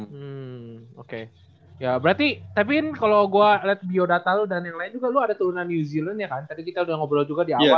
hmm oke ya berarti tapiin kalo gue liat biodata lu dan yang lain juga lu ada turunan new zealand ya kan tadi kita udah ngobrol juga di awal gitu